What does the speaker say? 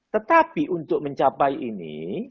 tetapi untuk mencapai ini